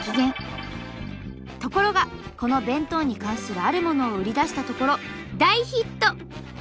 ところがこの弁当に関するあるものを売り出したところ大ヒット！